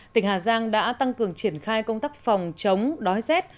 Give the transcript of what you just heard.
tỉnh hà giang đã tăng cường triển khai công tác phòng chống đói rét